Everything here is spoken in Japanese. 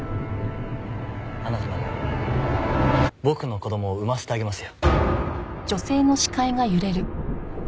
あなたなら僕の子供を産ませてあげますよ。